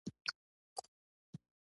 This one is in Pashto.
ستر قاچاقبران په سیاسي واک کې شریکان کوي.